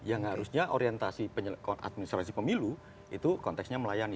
yang harusnya orientasi administrasi pemilu itu konteksnya melayani